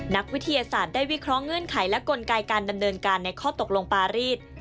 นักวิทยาศาสตร์ได้วิเคราะห์เงื่อนไขและกลไกการดำเนินการในข้อตกลงปารีส